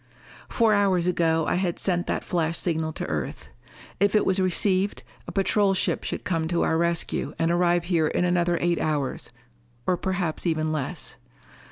Four hours ago I had sent that flash signal to Earth. If it was received, a patrol ship could come to our rescue and arrive here in another eight hours or perhaps even less.